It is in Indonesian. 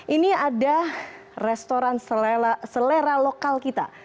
ini ada restoran selera lokal kita